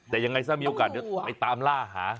แต่ยังไงซะมีโอกาสไปตามล่าหา